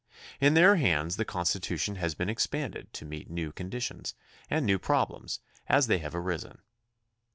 In their hands the Constitution has been expanded to meet new conditions and new problems as they have arisen.